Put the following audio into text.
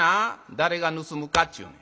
誰が盗むかっちゅうねん。